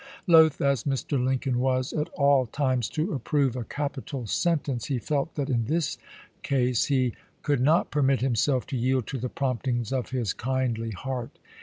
Loath as Mr. Lincoln was at all times to approve a capital sentence, he felt that in this case he could not permit himself to yield to the promptings of his kindly heart.